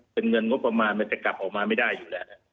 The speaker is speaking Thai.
เป็นเงินงบประมาณมันจะกลับออกมาไม่ได้อยู่แล้ว